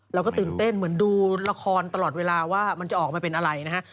เราก็ตื่นเต้นเหมือนดูละครตลอดเวลาว่ามันจะออกมาเป็นอะไรนะฮะ